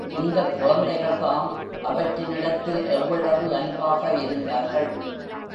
இந்தக் குழந்தைகள்தாம் அவற்றினிடத்தில் எவ்வளவு அன்பாக இருந்தார்கள்!